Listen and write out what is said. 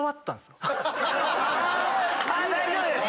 「あ大丈夫です」